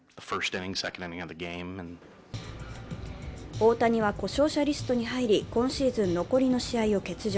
大谷は故障者リストに入り今シーズン残りの試合を欠場。